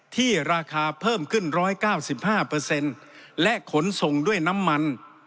ที่ราคาเพิ่มขึ้น๑๙๕และขนส่งด้วยน้ำมัน